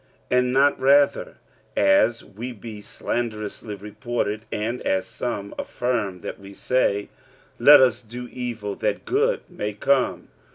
45:003:008 And not rather, (as we be slanderously reported, and as some affirm that we say,) Let us do evil, that good may come?